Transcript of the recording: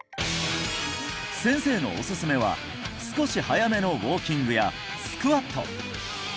先生のおすすめは少し速めのウォーキングやスクワット